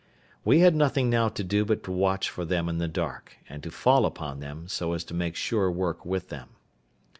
We had nothing now to do but to watch for them in the dark, and to fall upon them, so as to make sure work with them.